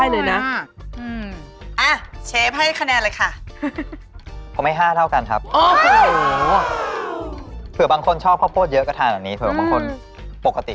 แหมเชื้อเฉินกันไปเพียงเซี๊ยวคะแนนจริงค่ะเมนูนี้